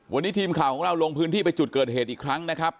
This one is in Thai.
วันนี้ทีมข่าวของเราลงพื้นที่ไปจุดเกิดเหตุอีกครั้งนะครับ